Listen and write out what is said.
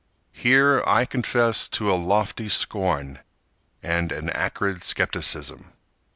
Here I confess to a lofty scorn, And an acrid skepticism.